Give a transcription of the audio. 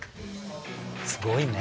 すごいね。